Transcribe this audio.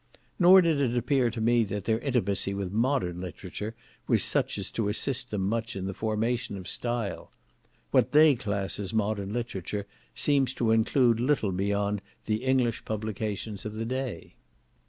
Nor did it appear to me that their intimacy with modern literature was such as to assist them much in the formation of style. What they class as modern literature seems to include little beyond the English publications of the day.